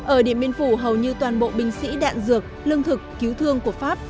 ở điện biên phủ hầu như toàn bộ binh sĩ đạn dược lương thực cứu thương của pháp